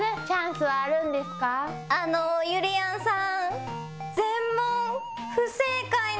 あのゆりやんさん。